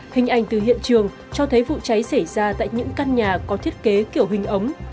hình ảnh từ hiện trường cho thấy vụ cháy xảy ra tại những căn nhà có thiết kế kiểu hình ống